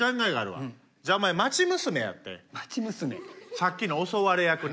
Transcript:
さっきの襲われ役ね。